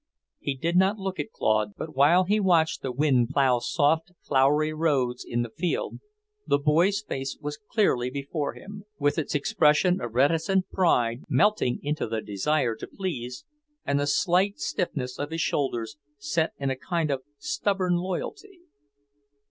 He did not look at Claude, but while he watched the wind plough soft, flowery roads in the field, the boy's face was clearly before him, with its expression of reticent pride melting into the desire to please, and the slight stiffness of his shoulders, set in a kind of stubborn loyalty.